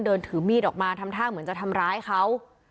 เดินถือมีดออกมาทำท่าเหมือนจะทำร้ายเขา